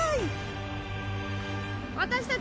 私たち